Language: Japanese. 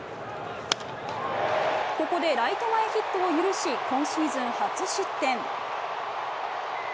ここでライト前ヒットを許し、今シーズン初失点。